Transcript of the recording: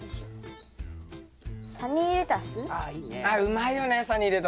あっうまいよね